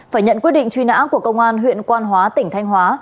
phải nhận quyết định truy nã của công an huyện quan hóa tỉnh thanh hóa